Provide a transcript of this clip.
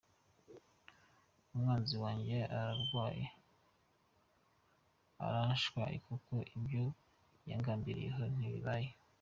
Umwanzi wanjye aramwaye, arashwaye kuko ibyo yangambiriyeho ntibibaye.